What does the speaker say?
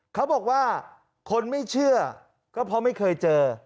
เขาบอกว่าคนไม่เชื่อก็เพราะไม่เคยเจอ